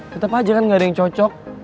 tetap aja kan gak ada yang cocok